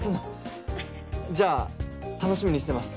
じゃあ楽しみにしてます。